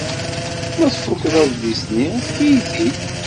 Ma tfukeḍ adlis-nni, efk-iyi-t-id.